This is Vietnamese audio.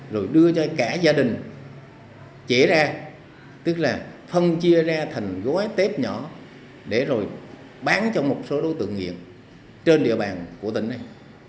rồi đưa cho cả gia đình trễ ra tức là phân chia ra thành gói tép nhỏ để rồi bán cho một số đối tượng nghiện trên địa bàn của tỉnh này